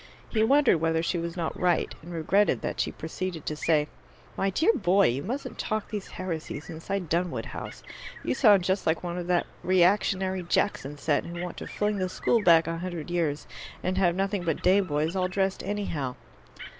He wondered whether she was not right, and regretted that she proceeded to say, "My dear boy, you mustn't talk these heresies inside Dunwood House! You sound just like one of that reactionary Jackson set, who want to fling the school back a hundred years and have nothing but day boys all dressed anyhow."